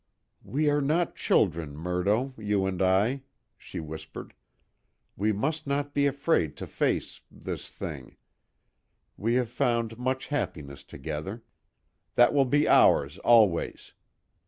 "We are not children, Murdo you and I," she whispered. "We must not be afraid to face this thing. We have found much happiness together. That will be ours always.